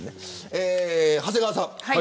長谷川さん。